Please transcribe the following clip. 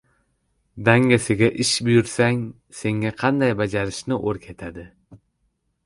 • Dangasaga ish buyursang, senga qanday bajarishni o‘rgatadi.